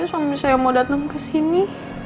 suami saya mau datang ke sini